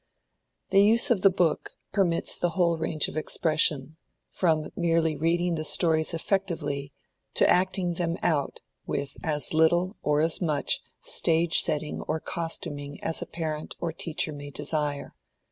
The use of the book permits the whole range of expression, from merely reading the stories effectively, to "acting them out" with as little, or as much, stage setting or costuming as a parent or teacher may desire.